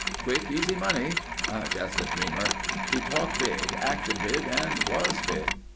"Quick easy money." "Just a dreamer." He talked big, acted big, and was big.